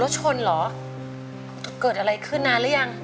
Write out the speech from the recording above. แล้วชนเหรอเกิดอะไรขึ้นนานหรือยัง